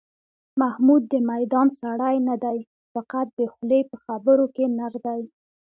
محمود د میدان سړی نه دی، فقط د خولې په خبرو کې نر دی.